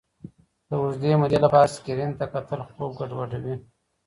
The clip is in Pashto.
د اوږدې مودې لپاره سکرین ته کتل خوب ګډوډوي.